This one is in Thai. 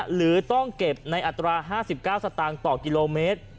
หรือต้องเก็บในอัตรา๕๙สตางค์ต่อกิโลเมตร